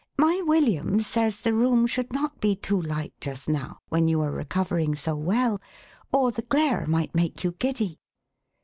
My William says the room should not be too light just now, when you are recovering so well, or the glare might make you giddy.""